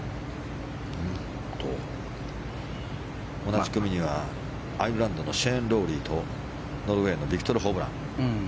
同じ組にはアイルランドのシェーン・ロウリーとノルウェーのビクトル・ホブラン。